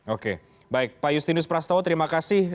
oke baik pak justinus prastowo terima kasih